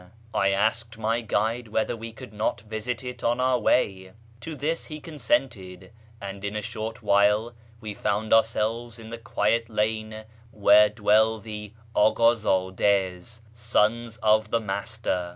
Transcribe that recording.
I asked my guide whether we could not visit it on our way. To this he consented, and in a short while wc found ourselves in the quiet lane where dwell the " Akd zdd((s" (" Sons of the Master").